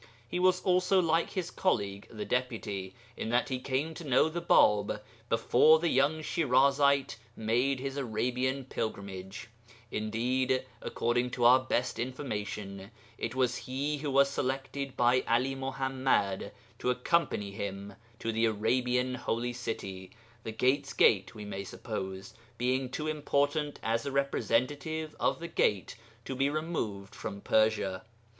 He was also like his colleague 'the Deputy' in that he came to know the Bāb before the young Shirazite made his Arabian pilgrimage; indeed (according to our best information), it was he who was selected by 'Ali Muḥammad to accompany him to the Arabian Holy City, the 'Gate's Gate,' we may suppose, being too important as a representative of the 'Gate' to be removed from Persia.